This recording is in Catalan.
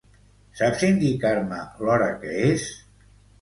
Saps indicar-me l'hora que és?